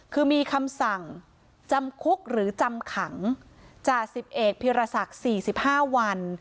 คือมีคำสั่งจำคุกหรือจำขังจาก๑๑พิราษักรณ์๔๕วัน